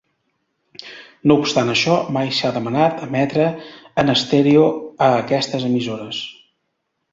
No obstant això, mai s'ha demanat emetre en estèreo a aquestes emissores.